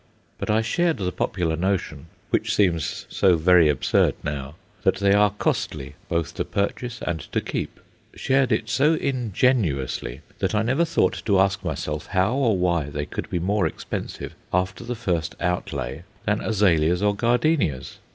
But I shared the popular notion which seems so very absurd now that they are costly both to purchase and to keep: shared it so ingenuously that I never thought to ask myself how or why they could be more expensive, after the first outlay, than azaleas or gardenias.